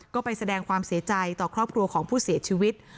ก็ไปแสดงความเสียใจต่อครอบครัวของผู้เสียชีวิต